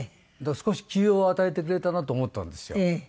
少し休養を与えてくれたなと思ったんですよ。